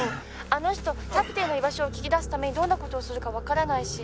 「あの人キャプテンの居場所を聞き出すためにどんな事をするかわからないし」